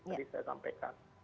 tadi saya sampaikan